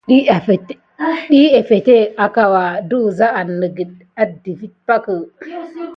Ɗiy afeteŋgək akawa va in awangsa akoko vigue kum edawuza ba.